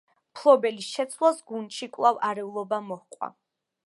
მფლობელების შეცვლას, გუნდში კვლავ არეულობა მოჰყვა.